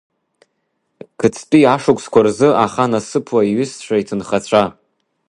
Қҵтәи ашықәсқәа рзы, аха насыԥла, иҩызцәа, иҭынхацәа…